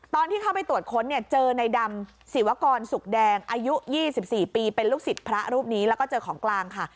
ตอนที่เข้าไปตรวจค้นเนี่ยเจอในดำศิวกรสุกแดงอายุ๒๔ปีเป็นลูกศิษย์พระรูปนี้แล้วก็เจอของกลางค่ะ